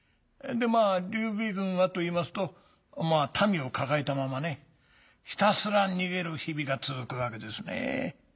でまぁ劉備軍はといいますと民を抱えたままねひたすら逃げる日々が続くわけですね。